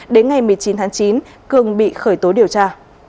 đến ngày một mươi chín tháng chín cường bị khởi tố điều tra